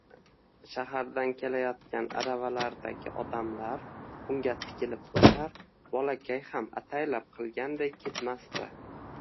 Shahardan kelayotgan aravalardagi odamlar unga tikilib oʻtar, bolakay ham ataylab qilganday ketmasdi